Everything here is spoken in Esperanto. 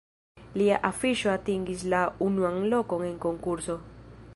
Lia afiŝo atingis la unuan lokon en konkurso.